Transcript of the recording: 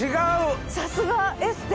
さすがエステ。